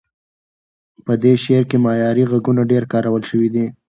په دې شعر کې معیاري غږونه ډېر کارول شوي دي.